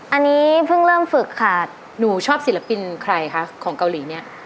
อันนี้เพิ่งเริ่มฝึกค่ะหนูชอบศิลปินใครคะของเกาหลีเนี่ย